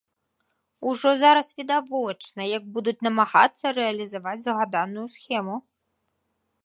Ужо зараз відавочна, як будуць намагацца рэалізаваць згаданую схему.